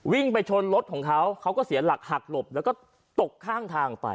ไปชนรถของเขาเขาก็เสียหลักหักหลบแล้วก็ตกข้างทางไป